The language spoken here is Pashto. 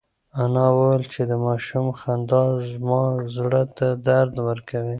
انا وویل چې د ماشوم خندا زما زړه ته درد ورکوي.